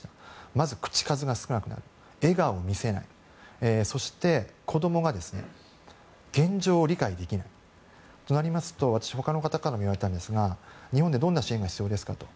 まず口数が少なくなる笑顔を見せないそして、子供が現状を理解できないとなりますと他の方からも言われたんですが日本でどんな支援が必要かと。